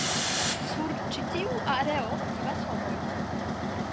Sur ĉi tiu areo vivas homoj.